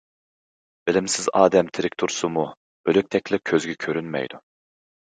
بىلىمسىز ئادەم تىرىك تۇرسىمۇ، ئۆلۈكتەكلا كۆزگە كۆرۈنمەيدۇ.